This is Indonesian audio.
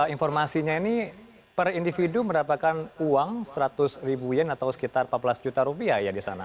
informasinya ini per individu mendapatkan uang seratus ribu yen atau sekitar empat belas juta rupiah ya di sana